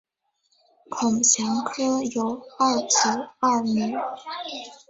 孔祥柯有二子二女